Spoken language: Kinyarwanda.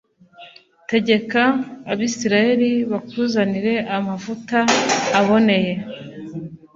Tegeka Abisirayeli bakuzanire amavuta aboneye.